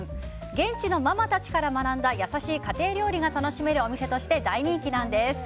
現地のママたちから学んだ優しい家庭料理が楽しめるお店として大人気なんです。